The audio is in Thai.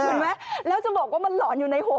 เห็นไหมแล้วจะบอกว่ามันหลอนอยู่ในหัว